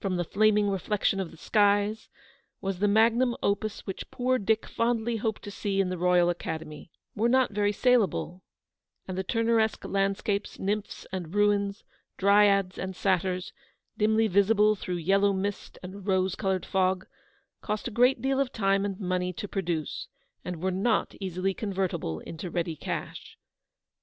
195 the flaming reflection of the skies, was the magnum opus which poor Dick fondly hoped to see in the Roy al Academy — were not very saleable ; and the Turneresque landscapes, nymphs and rains, dryads and satyrs, dimly visible through yellow mist and rose coloured fog, cost a great deal of time and money to produce, and were not easily convertible into ready cash.